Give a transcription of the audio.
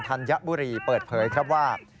ธัญบุรีเปิดเผยครับว่า